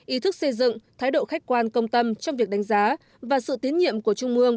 ý thức xây dựng thái độ khách quan công tâm trong việc đánh giá và sự tiến nhiệm của trung mương